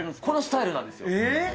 このスタイルなんですよ。